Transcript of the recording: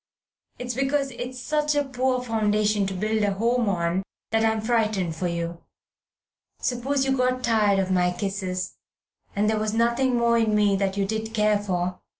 It's because it's such a poor foundation to build a home on that I am frightened for you. Suppose you got tired of my kisses, and there was nothing more in me that you did care for.